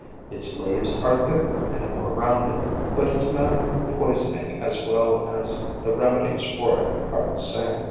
Its leaves are thicker and more rounded, but its manner of poisoning as well as the remedies for it are the same.